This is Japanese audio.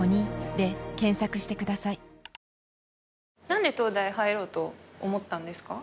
何で東大入ろうと思ったんですか？